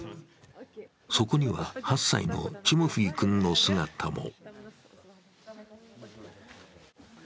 そこには、８歳のチモフィ君の姿も。